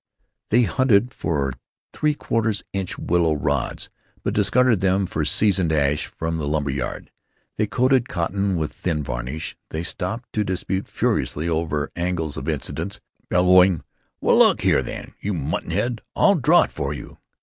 They hunted for three quarter inch willow rods, but discarded them for seasoned ash from the lumber yard. They coated cotton with thin varnish. They stopped to dispute furiously over angles of incidence, bellowing, "Well, look here then, you mutton head; I'll draw it for you."